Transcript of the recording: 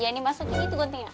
ya ini masukin itu gantiin